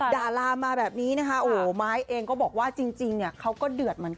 ด่ารามมาแบบนี้นะคะโอ้ม้ายเองก็บอกว่าจริงเขาก็เดือดเหมือนกัน